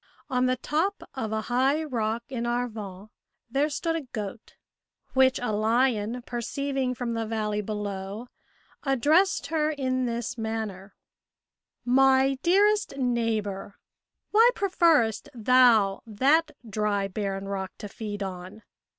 On the top of a high rock in Arvon there stood a goat, which a lion perceiving from the valley below, addressed her in this manner : "My dearest neighbour, why preferrest thou that dry barren rock to feed on?